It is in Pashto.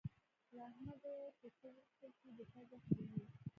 له احمده چې څه وغوښتل شي؛ دی پزه خرېي.